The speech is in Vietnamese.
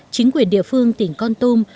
chính quyền địa phương tỉnh con tum